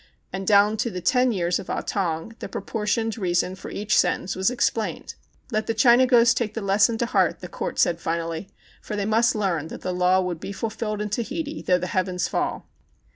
And down to the ten years of Ah Tong, the proportioned reason for each sentence was explained. Let the Chinagos take the lesson to heart, the Court said finally, for they must learn that the law would be ful filled in Tahiti though the heavens fell.